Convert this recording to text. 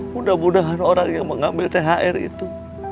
mudah mudahan orang yang mengambil thr itu